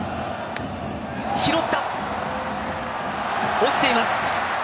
落ちています！